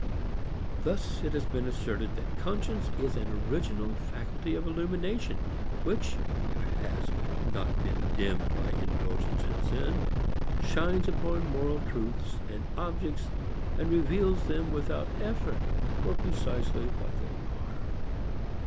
Thus it has been asserted that conscience is an original faculty of illumination which (if it has not been dimmed by indulgence in sin) shines upon moral truths and objects and reveals them without effort for precisely what they are.